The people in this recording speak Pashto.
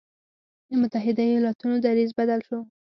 د متحدو ایالتونو دریځ بدل شو.